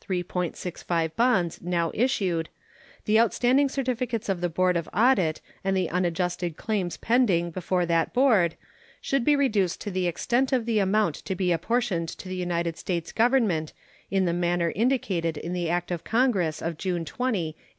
65 bonds now issued, the outstanding certificates of the board of audit, and the unadjusted claims pending before that board should be reduced to the extent of the amount to be apportioned to the United States Government in the manner indicated in the act of Congress of June 20, 1874.